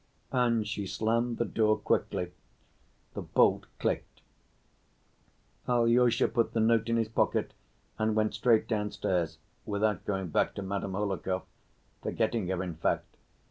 And she slammed the door quickly. The bolt clicked. Alyosha put the note in his pocket and went straight downstairs, without going back to Madame Hohlakov; forgetting her, in fact.